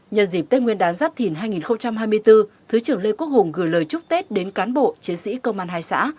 nhân dịp tết nguyên đán giáp thìn hai nghìn hai mươi bốn thứ trưởng lê quốc hùng gửi lời chúc tết đến cán bộ chiến sĩ công an hai xã